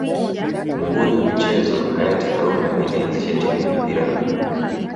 Nguri wa michezo hayati karume alianzisha timu ya mpira wa miguu